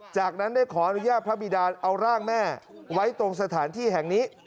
จากนั้นได้ขออนุญาตพระบิดาลเอาร่างแม่ไว้ตรงสถานที่แห่งนี้